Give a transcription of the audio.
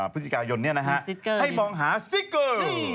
พฤศจิกายนให้มองหาสติ๊กเกอร์